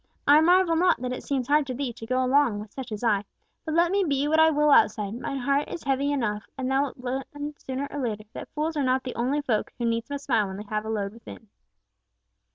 I marvel not that it seems hard to thee to go along with such as I, but let me be what I will outside, mine heart is heavy enough, and thou wilt learn sooner or later, that fools are not the only folk who needs must smile when they have a load within."